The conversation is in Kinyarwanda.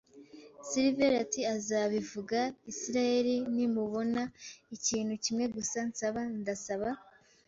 Silver ati: "Uzabivuga, Isiraheli nimubona." “Ikintu kimwe gusa nsaba - Ndasaba